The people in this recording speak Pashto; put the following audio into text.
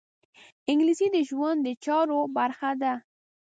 انګلیسي د ژوند د چارو برخه ده